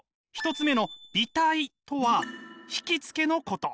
１つ目の媚態とは惹きつけのこと。